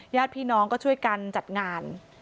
ญาติพี่น้องก็ช่วยกันจัดงาน